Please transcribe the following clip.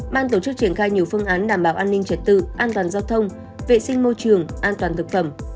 ban tổ chức triển khai nhiều phương án đảm bảo an ninh trật tự an toàn giao thông vệ sinh môi trường an toàn thực phẩm